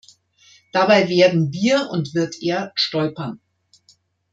Dabei werden wir und wird er stolpern.